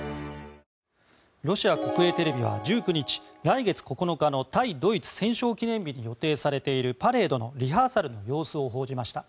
ロシア国営テレビは１９日来月９日の対ドイツ戦勝記念日に予定されているパレードのリハーサルの様子を報じました。